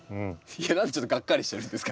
いや何でちょっとガッカリしてるんですか？